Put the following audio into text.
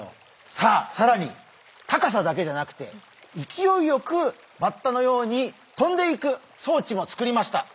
さあさらに高さだけじゃなくて勢いよくバッタのようにとんでいく装置も作りましたお母さん。